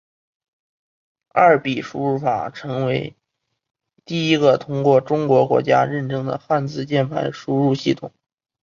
二笔输入法成为第一个通过中国国家认证的汉字键盘输入系统。